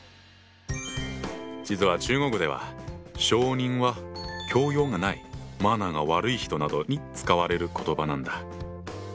実は中国では小人は教養がないマナーが悪い人などに使われる言葉なんだ。